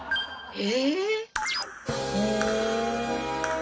え？